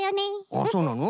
あっそうなの？